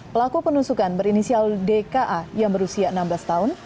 pelaku penusukan berinisial dka yang berusia enam belas tahun